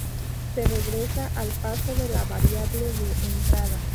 Se regresa al paso de la variable de entrada.